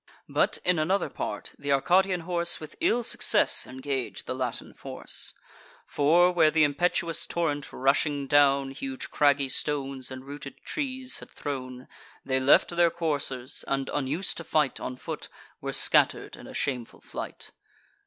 But, in another part, th' Arcadian horse With ill success engage the Latin force: For, where th' impetuous torrent, rushing down, Huge craggy stones and rooted trees had thrown, They left their coursers, and, unus'd to fight On foot, were scatter'd in a shameful flight.